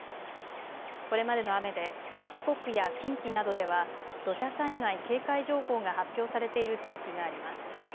これまでの雨で四国や近畿などでは土砂災害警戒情報が発表されている地域があります。